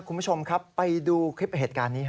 คุณผู้ชมครับไปดูคลิปเหตุการณ์นี้